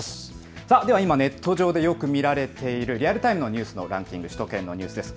ネット上でよく見られているリアルタイムのニュースのランキング、首都圏のニュースです。